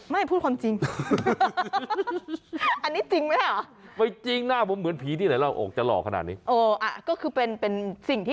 ไม่พูดความจริง